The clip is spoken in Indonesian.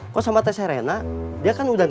kemogaan adalah susang